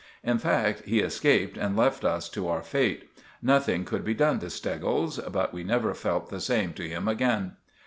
In fact, he escaped and left us to our fate. Nothing could be done to Steggles, but we never felt the same to him again.